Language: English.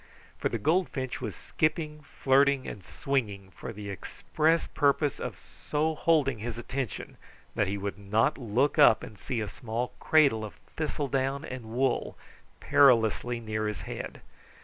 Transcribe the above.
For the goldfinch was skipping, flirting, and swinging for the express purpose of so holding his attention that he would not look up and see a small cradle of thistledown and wool perilously near his head.